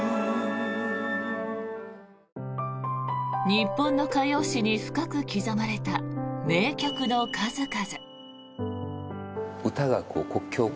日本の歌謡史に深く刻まれた名曲の数々。